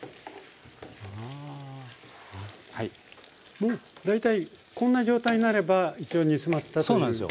もう大体こんな状態になれば一応煮詰まったっていうことで。